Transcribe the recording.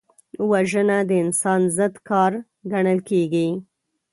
وژنه د انسان ضد کار ګڼل کېږي